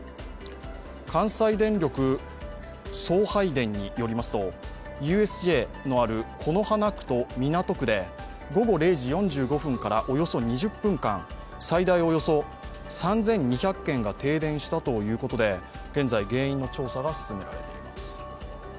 関西電力送配電によりますとＵＳＪのある此花区と港区で午後０時４５分からおよそ２０分間、最大およそ３２０が停電したということで現在、原因の調査が進んでいます。